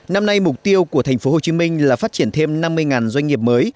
năm nay mục tiêu của tp hcm là phát triển thêm năm mươi doanh nghiệp mới